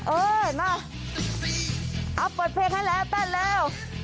เออมาเอาเปิดเพลงให้แล้วตั้งแล้ว